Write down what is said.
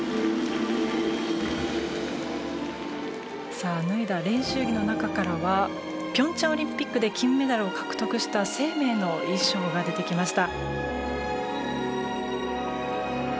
さあ脱いだ練習着の中からは平昌オリンピックで金メダルを獲得した『ＳＥＩＭＥＩ』の衣装が出てきました。